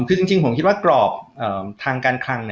คือจริงผมคิดว่ากรอบทางการคลัง